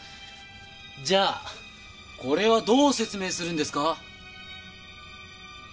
じゃあこれはどう説明するんですか？